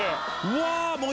うわ！